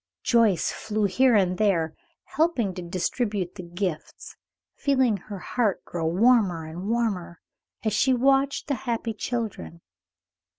Joyce flew here and there, helping to distribute the gifts, feeling her heart grow warmer and warmer as she watched the happy children.